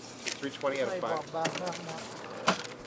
ที่ไม่บอบบางมากนัก